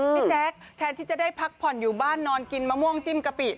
แจ๊คแทนที่จะได้พักผ่อนอยู่บ้านนอนกินมะม่วงจิ้มกะปิ